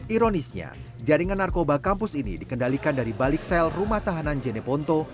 ironisnya jaringan narkoba kampus ini dikendalikan dari balik sel rumah tahanan jeneponto